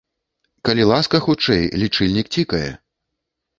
Калі ласка, хутчэй, лічыльнік цікае!